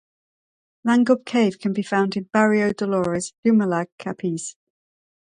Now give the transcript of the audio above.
Langub Cave can be found in Barrio Dolores, Dumalag, Capiz.